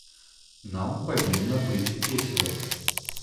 Нам павінна быць весела.